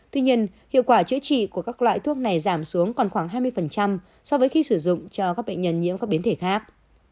tuy nhiên hiệu quả chữa trị của các loại thuốc này giảm xuống còn khoảng hai mươi so với khi sử dụng cho các bệnh nhân nhiễm các biến thể khác